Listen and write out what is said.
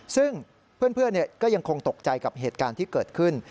ซึ่งเพื่อนก็ยังคงตกใจกับเหตุการณ์ที่เกิดขึ้น